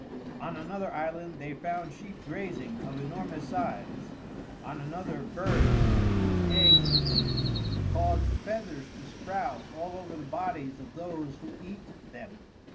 On another island they found sheep grazing, of enormous size; on another, birds, whose eggs when eaten caused feathers to sprout all over the bodies of those who eat them.